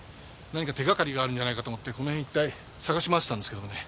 何か手がかりがあるんじゃないかと思ってこの辺一帯探し回ってたんですけどもね。